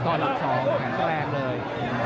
ตอนลักษณ์สองก็แรงเลย